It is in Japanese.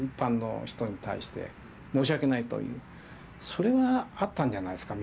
それがあったんじゃないですか？